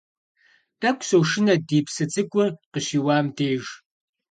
Тӏэкӏу сошынэ ди псы цӏыкӏур къыщиуам деж.